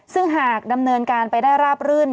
ซึ่งหากดำเนินการไปได้ราบรื่น